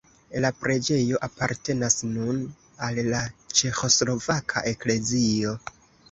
La preĝejo apartenas nun al la Ĉeĥoslovaka eklezio.